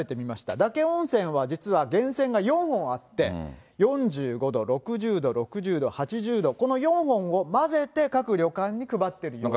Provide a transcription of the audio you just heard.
嶽温泉は実は源泉が４本あって、４５度、６０度、６０度、８０度、この４本を混ぜて各旅館に配っているような。